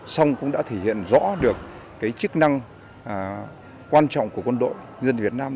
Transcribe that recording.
xong cũng đã thể hiện rõ được cái chức năng quan trọng của quân đội dân việt nam